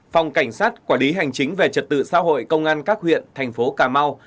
phòng cảnh sát quản lý hành chính về trật tự xã hội công an các huyện thành phố cà mau